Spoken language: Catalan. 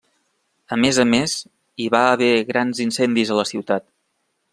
A més a més, hi va haver grans incendis a la ciutat.